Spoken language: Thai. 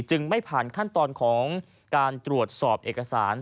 ไม่ผ่านขั้นตอนของการตรวจสอบเอกสาร